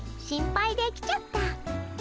心配で来ちゃった。